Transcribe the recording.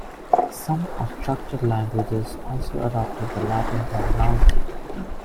Some constructed languages also adopted the Latin terminology.